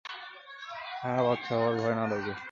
না বাচ্চা হবার ভয়, না রোগের।